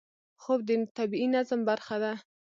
خوب د طبیعي نظم برخه ده